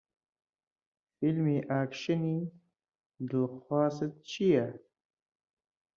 فیلمی ئاکشنی دڵخوازت چییە؟